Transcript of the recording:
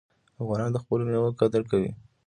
افغانان د خپلو میوو قدر کوي.